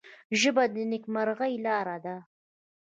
ژبه د نیکمرغۍ لاره ده